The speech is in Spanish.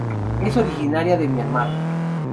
Es originaria de Myanmar.